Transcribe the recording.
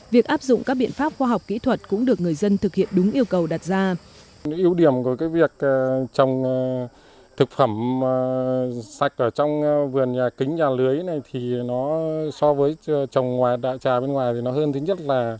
việc áp dụng các biện pháp khoa học kỹ thuật cũng được người dân thực hiện đúng yêu cầu đặt ra